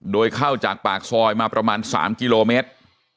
โดยเข้าจากปากซอยมาประมาณ๓กิโลเมตร